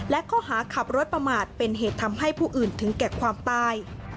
และข้อหาขับรถประมาทเป็นเหตุทำให้ผู้อื่นถึงแก่ความตาย